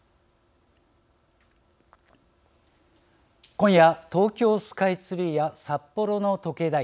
今夜、東京スカイツリーや札幌の時計台